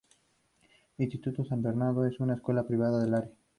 Instituto San Bernardo es una escuela privada del área.